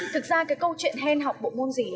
thực ra cái câu chuyện hèn học bộ môn gì